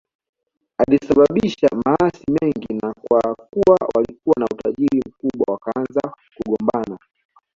Alisababisha maasi mengi na kwa kuwa walikuwa na utajiri mkubwa wakaanza kugombana